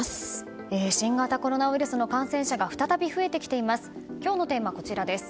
新型コロナウイルスの感染者が再び増えてきています。